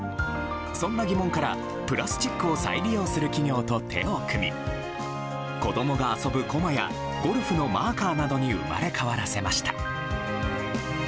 そんな疑問から、プラスチックを再利用する企業と手を組み子供が遊ぶ、こまやゴルフのマーカーなどに生まれ変わらせました。